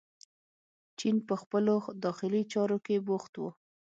چین په خپلو داخلي چارو کې بوخت و.